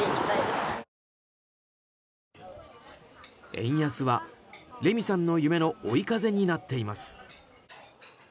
円安は、れみさんの夢の追い風になっています。